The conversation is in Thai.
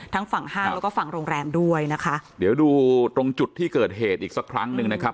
ทั้งฝั่งห้างแล้วก็ฝั่งโรงแรมด้วยนะคะเดี๋ยวดูตรงจุดที่เกิดเหตุอีกสักครั้งหนึ่งนะครับ